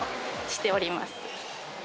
しております。